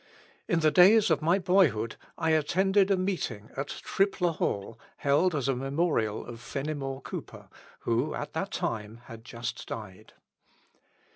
In the days of my boyhood I attended a meeting at Tripler Hall, held as a memorial of Fenimore Cooper, who at that time had just died.